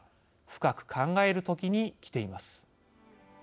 深く考える時にきています。